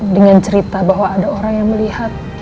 dengan cerita bahwa ada orang yang melihat